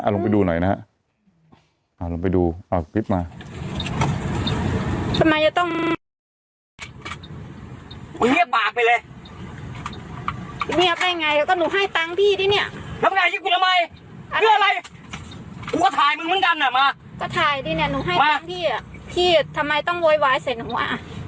เอาลงไปดูหน่อยนะฮะเอาลงไปดูเอาคลิปมา